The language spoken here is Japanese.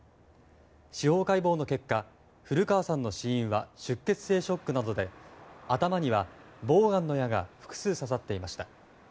司法解剖の結果古川さんの死因は出血性ショックなどで頭にはボーガンの矢が複数刺さっていました。